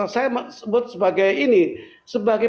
saya sebut sebagai